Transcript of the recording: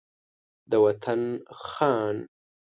د وطن خان